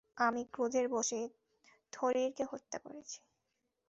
আমি ক্রোধের বশে থরিরকে হত্যা করেছি।